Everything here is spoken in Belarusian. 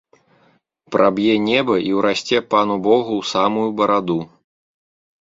Праб'е неба і ўрасце пану богу ў самую бараду.